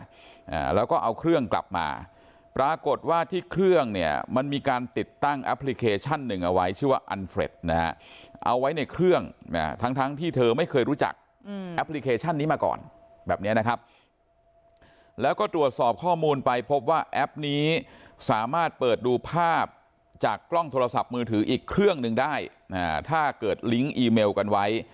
อ่าแล้วก็เอาเครื่องกลับมาปรากฏว่าที่เครื่องเนี่ยมันมีการติดตั้งแอปพลิเคชันหนึ่งเอาไว้ชื่อว่าอันเฟรดนะฮะเอาไว้ในเครื่องอ่าทั้งทั้งที่เธอไม่เคยรู้จักอืมแอปพลิเคชันนี้มาก่อนแบบเนี้ยนะครับแล้วก็ตรวจสอบข้อมูลไปพบว่าแอปนี้สามารถเปิดดูภาพจากกล้องโทรศัพท์มือถืออีกเครื่องหนึ่งได้อ่าถ้าเกิดลิงก์อีเมลกันไว้